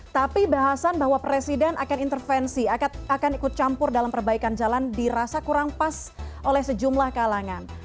tapi bahasan bahwa presiden akan intervensi akan ikut campur dalam perbaikan jalan dirasa kurang pas oleh sejumlah kalangan